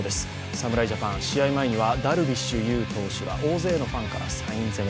侍ジャパン、試合前にはダルビッシュ有投手が大勢のファンからサイン攻め。